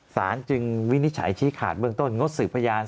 สารจึงวินิจฉัยชี้ขาดเบื้องต้นงดสืบพยาน